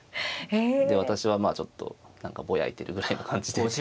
で私はまあちょっと何かぼやいてるぐらいの感じで。